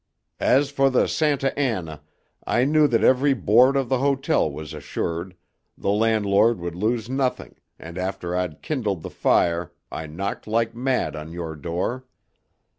"As for the Santa Anna, I knew that every board of the hotel was assured the landlord would lose nothing, and after I'd kindled the fire I knocked like mad on your door.